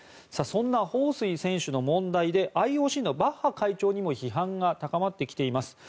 そんなホウ・スイ選手の問題でＩＯＣのバッハ会長にも批判が高まってきています。